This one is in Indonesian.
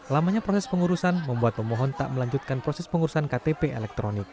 lamanya proses pengurusan membuat pemohon tak melanjutkan proses pengurusan ktp elektronik